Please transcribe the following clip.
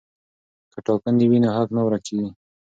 که ټاکنې وي نو حق نه ورک کیږي.